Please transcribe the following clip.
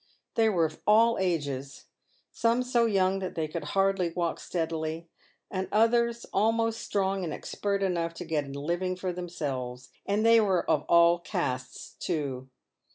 They were of all ages ; some so young that they could hardly walk steadily, and others almost strong and expert enough to get a living for themselves ; and they were of all castes, too.